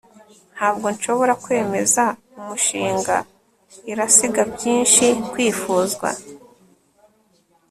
ntabwo nshobora kwemeza umushinga irasiga byinshi kwifuzwa